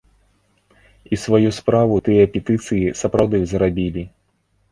І сваю справу тыя петыцыі сапраўды зрабілі.